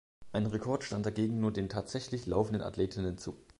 Ein Rekord stand dagegen nur den tatsächlich laufenden Athletinnen zu.